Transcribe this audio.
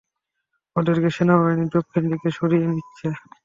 ওদেরকে সেনাবাহিনী দক্ষিণ দিকে সরিয়ে নিচ্ছে!